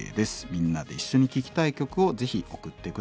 みんなで一緒に聴きたい曲をぜひ送って下さい。